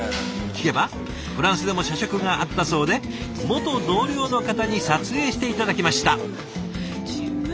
聞けばフランスでも社食があったそうで元同僚の方に撮影して頂きました。